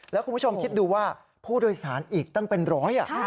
แล้วคุณผู้ชมคิดดูว่าผู้โดยสารอีกตั้งเป็นร้อย